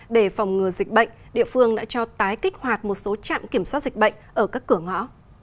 để phòng ngừa dịch bệnh địa phương đã cho tái kích hoạt một số trạm kiểm soát dịch bệnh ở các cửa ngõ